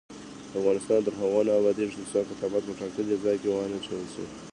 افغانستان تر هغو نه ابادیږي، ترڅو کثافات په ټاکلي ځای کې ونه اچول شي.